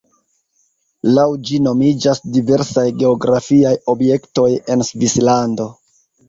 Laŭ ĝi nomiĝas diversaj geografiaj objektoj en Svislando.